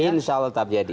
insya allah tetap jadi